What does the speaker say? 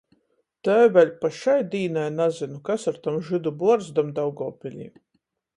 Tai vēļ pa šai dīnai nazynu, kas ar tom žydu buorzdom Daugovpilī.